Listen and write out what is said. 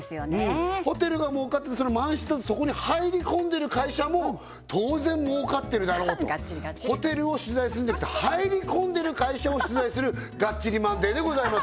うんホテルが儲かってて満室だとそこに入り込んでる会社も当然儲かってるだろうとうんがっちりがっちりホテルを取材するんじゃなくて入り込んでる会社を取材する「がっちりマンデー！！」でございます